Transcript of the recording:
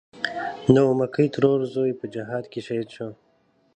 د اومکۍ ترور زوی په جهاد کې شهید و.